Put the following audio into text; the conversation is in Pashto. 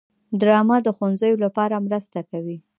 ډرامه د ښوونځیو لپاره مرسته کوي